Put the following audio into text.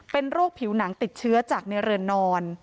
เป็นโรคผิวหนังติดเชื้อจากในเรือนนอน